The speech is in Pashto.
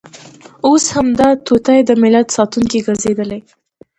اوس همدا توطیه د ملت ساتونکې ګرځېدلې.